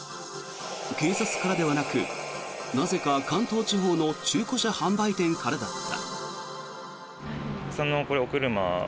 警察からではなくなぜか、関東地方の中古車販売店からだった。